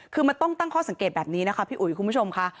คือมันต้องตั้งข้อสังเกตแบบนี้นะคะพี่อุ๋ยคุณผู้ชมค่ะ